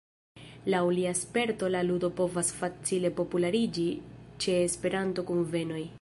Laŭ lia sperto la ludo povas facile populariĝi ĉe Esperanto-kunvenoj.